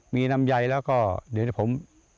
มีลำไยแล้วก็เดี๋ยวผม